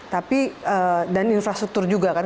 tapi dan infrastruktur juga kan